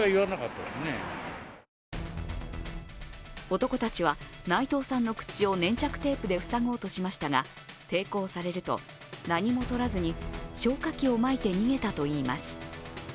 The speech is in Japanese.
男たちは内藤さんの口を粘着テープで塞ごうとしましたが、抵抗されると、何も取らずに消火器をまいて逃げたといいます。